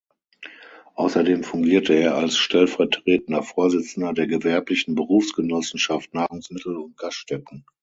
Außerdem fungierte er als stellvertretender Vorsitzender der gewerblichen Berufsgenossenschaft Nahrungsmittel und Gaststätten.